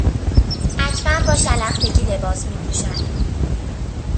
اکبر با شلختگی لباس میپوشد.